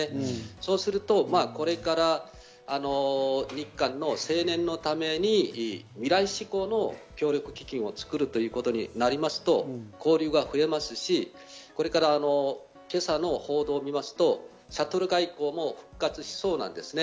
そうすると、これから日韓の青年のために、未来志向の協力基金をつくるということになりますと、交流が増えますし、これから今朝の報道を見ると、シャトル外交も復活しそうなんです。